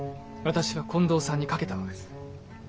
私は近藤さんに懸けたのです。